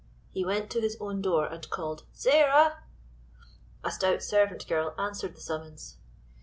He went to his own door, and called "Sarah!" A stout servant girl answered the summons.